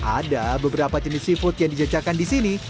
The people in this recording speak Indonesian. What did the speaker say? ada beberapa jenis seafood yang dijajakan di sini